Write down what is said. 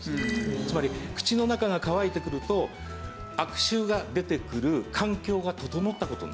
つまり口の中が乾いてくると悪臭が出てくる環境が整った事になります。